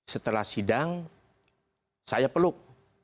setelah sidang saya peluk